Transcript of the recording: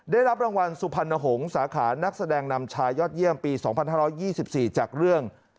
ได้รับรางวัลสุพรรณหงษ์สาขานักแสดงนำชายยอดเยี่ยมปี๒๕๒๔จากเรื่อง